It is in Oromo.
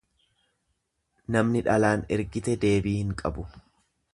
Namni dhalaan ergite deebii hin qabu.